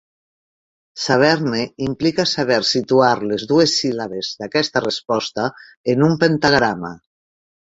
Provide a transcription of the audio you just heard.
Saber-ne implica saber situar les dues síl·labes d'aquesta resposta en un pentagrama.